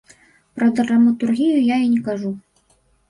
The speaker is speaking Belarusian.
Пра драматургію я і не кажу.